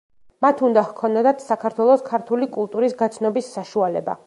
მათ უნდა ჰქონოდათ საქართველოს, ქართული კულტურის გაცნობის საშუალება.